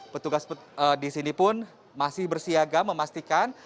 petugas di sini pun masih bersiaga memastikan